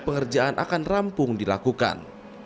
pengerjaan akan rampung dilakukan